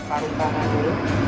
sarung tanah dulu